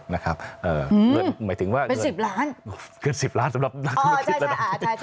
หมายถึงว่าเกิน๑๐ล้านอ๋อใช่ค่ะ